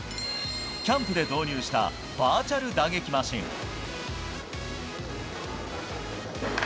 キャンプで導入したバーチャル打撃マシン。